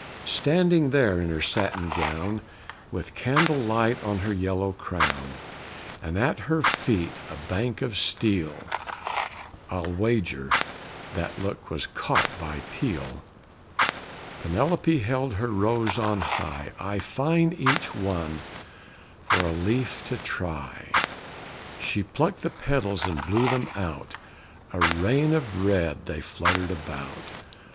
Standing there, in her satin gown, With candlelight on her yellow crown, And at her feet a bank of steel (I'll wager that look was caught by Peale!) Penelope held her rose on high "I fine each one for a leaf to try!" She plucked the petals and blew them out, A rain of red they fluttered about.